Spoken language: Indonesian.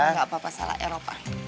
nggak apa apa salah eropa